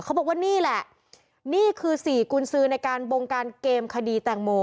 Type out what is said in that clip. เขาบอกว่านี่แหละนี่คือสี่กุญสือในการบงการเกมคดีแตงโม